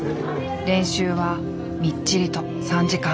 練習はみっちりと３時間。